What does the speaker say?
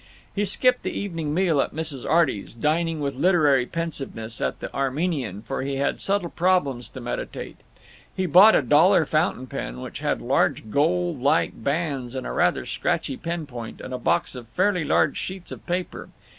He skipped the evening meal at Mrs. Arty's, dining with literary pensiveness at the Armenian, for he had subtle problems to meditate. He bought a dollar fountain pen, which had large gold like bands and a rather scratchy pen point, and a box of fairly large sheets of paper.